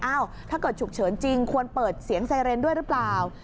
ถ้าเกิดฉุกเฉินจริงควรเปิดเสียงไซเรนด้วยหรือเปล่า